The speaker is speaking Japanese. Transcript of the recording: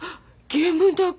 ゲームだこ。